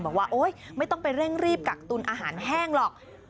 โอ๊ยไม่ต้องไปเร่งรีบกักตุลอาหารแห้งหรอก